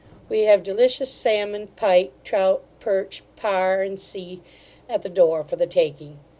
We have delicious salmon, pike, trout, perch, par, &c. at the door, for the taking.